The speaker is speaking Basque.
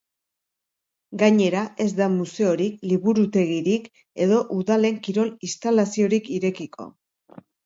Gainera, ez da museorik, liburutegirik edo udalen kirol-instalaziorik irekiko.